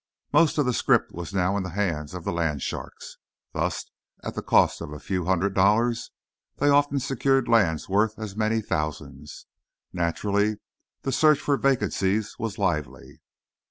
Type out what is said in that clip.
Most of the scrip was now in the hands of the land sharks. Thus, at the cost of a few hundred dollars, they often secured lands worth as many thousands. Naturally, the search for "vacancies" was lively.